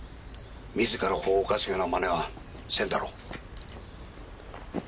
自ら法を犯すようなまねはせんだろう。